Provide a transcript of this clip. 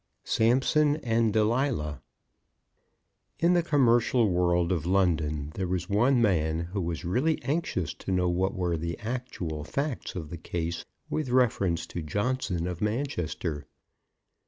SAMSON AND DELILAH. In the commercial world of London there was one man who was really anxious to know what were the actual facts of the case with reference to Johnson of Manchester.